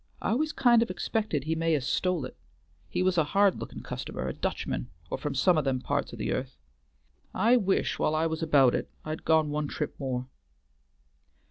I al'ays kind o' expected he may have stole it; he was a hard lookin' customer, a Dutchman or from some o' them parts o' the earth. I wish while I was about it I'd gone one trip more."